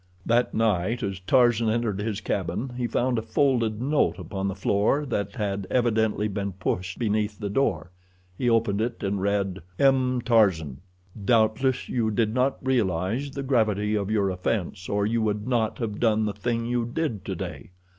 That night as Tarzan entered his cabin he found a folded note upon the floor that had evidently been pushed beneath the door. He opened it and read: M. TARZAN: Doubtless you did not realize the gravity of your offense, or you would not have done the thing you did today.